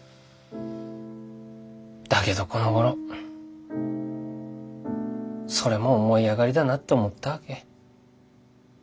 だけどこのごろそれも思い上がりだなって思ったわけ。